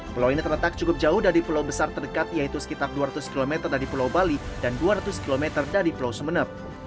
pulau ini terletak cukup jauh dari pulau besar terdekat yaitu sekitar dua ratus km dari pulau bali dan dua ratus km dari pulau sumeneb